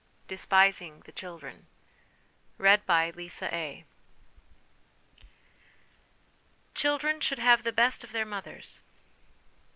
DESPISING THE CHILDREN Children should have the best of their Mothers.